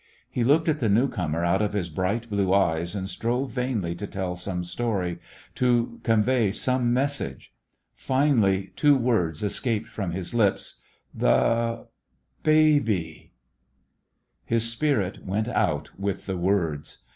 He looked at the newcomer out of his bright blue eyes and strove vainly to tell some story, to convey some mes The West Was Young sage. Finally two words escaped from his lips: "The— baby— 1" His spirit went out with the words.